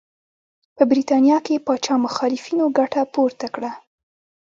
په برېټانیا کې پاچا مخالفینو ګټه پورته کړه.